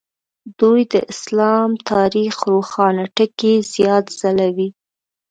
دوی د اسلام تاریخ روښانه ټکي زیات ځلوي.